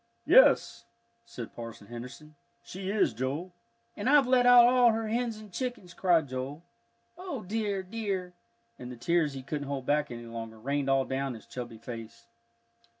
"Yes," said Parson Henderson, "she is, Joel." "And I've let out all her hens and chickens!" cried Joel. "O dear, dear!" and the tears he couldn't hold back any longer rained all down his chubby face.